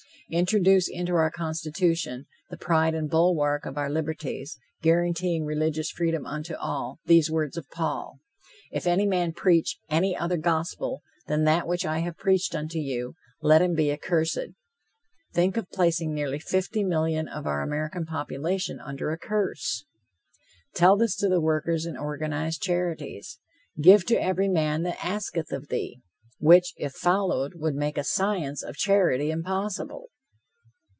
Introduce into our Constitution, the pride and bulwark of our liberties, guaranteeing religious freedom unto all, these words of Paul: "If any man preach any other gospel than that which I have preached unto you, let him be accursed." Think of placing nearly fifty millions of our American population under a curse! Tell this to the workers in organized charities: "Give to every man that asketh of thee," which, if followed, would make a science of charity impossible.